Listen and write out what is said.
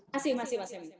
masih masih masih